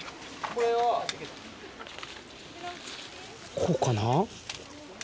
こうかな？